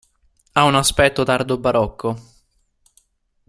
Ha un aspetto tardo barocco.